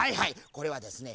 これはですね